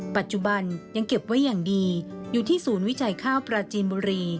ปัจจุบันยังเก็บไว้อย่างดีอยู่ที่ศูนย์วิจัยข้าวปราจีนบุรี